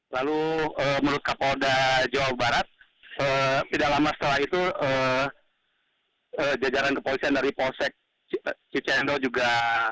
lalu menurut kapolda jawa barat tidak lama setelah itu jajaran kepolisian dari polsek cicendo juga